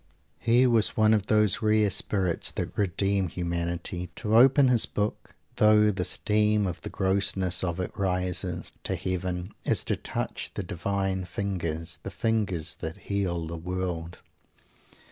He was one of those rare spirits that redeem humanity. To open his book though the steam of the grossness of it rises to Heaven is to touch the divine fingers the fingers that heal the world.